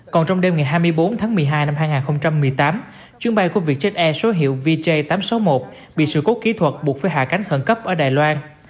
còn trong đêm ngày hai mươi bốn tháng một mươi hai năm hai nghìn một mươi tám chuyến bay của vietjet air số hiệu vj tám trăm sáu mươi một bị sự cố kỹ thuật buộc phải hạ cánh khẩn cấp ở đài loan